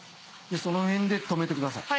その辺で止めてください